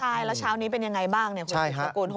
ใช่แล้วเช้านี้เป็นยังไงบ้างคุณผู้ชมประกูล๖โมงแล้ว